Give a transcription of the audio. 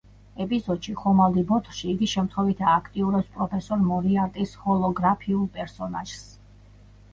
ეპიზოდში „ხომალდი ბოთლში“ იგი შემთხვევით ააქტიურებს პროფესორ მორიარტის ჰოლოგრაფიულ პერსონაჟს.